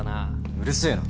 うるせえな。